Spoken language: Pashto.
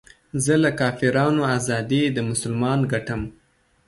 زه له کافرانو ازادي د مسلمان ګټم